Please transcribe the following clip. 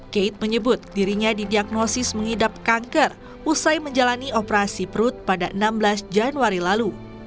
kate menyebut dirinya didiagnosis mengidap kanker usai menjalani operasi perut pada enam belas januari lalu